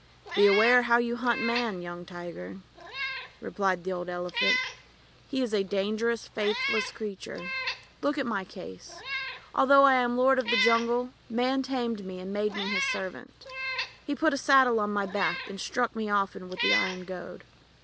"Beware how you hunt Man, young Tiger," replied the old Elephant. ;<He is a dangerous, faithless creature. Look at my case. Although I am lord of the jungle, Man tamed me, and made me his servant. He put a saddle on my back, and struck me often with an iron goad.